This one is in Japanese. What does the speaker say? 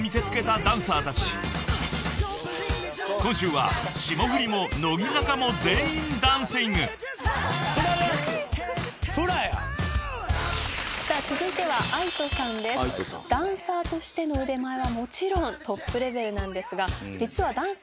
ダンサーとしての腕前はもちろんトップレベルなんですが。